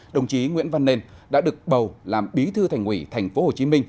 đồng chí nguyễn văn nền đã được bầu làm bí thư thành quỷ tp hcm